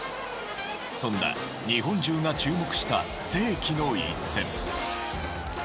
そんな日本中が注目した世紀の一戦。